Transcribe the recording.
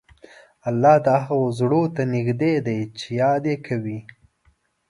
الله د هغه زړه ته نږدې دی چې یاد یې کوي.